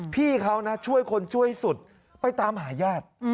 พี่เขานะช่วยคนช่วยสุดไปตามหาญาติ